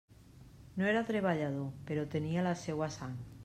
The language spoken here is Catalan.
No era treballador, però tenia la seua sang.